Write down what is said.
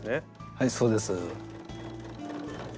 はいそうです。